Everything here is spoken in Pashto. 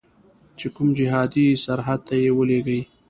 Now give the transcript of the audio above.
چې کوم جهادي سرحد ته یې ولیږي.